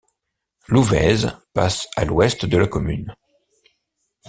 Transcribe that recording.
L'Ouvèze passe à l'ouest de la commune.